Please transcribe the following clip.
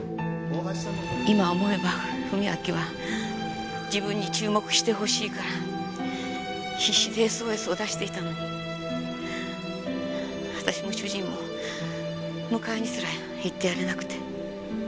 今思えば史明は自分に注目してほしいから必死でＳＯＳを出していたのに私も主人も迎えにすら行ってやれなくて。